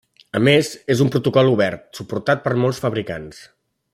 A més, és un protocol obert, suportat per molts fabricants.